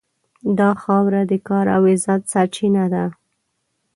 دا خاوره د کار او عزت سرچینه ده.